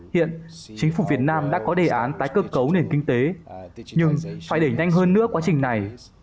hiện chính phủ việt nam đã có đề án tái cơ cấu nền kinh tế nhưng phải đẩy nhanh hơn nữa quá trình này